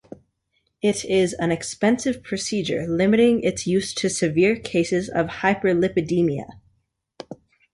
It is an expensive procedure, limiting its use to severe cases of hyperlipidemia.